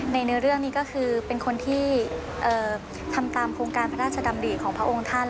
ในเรื่องนี้ก็คือเป็นคนที่ทำตามโครงการพระราชดำริของพระองค์ท่าน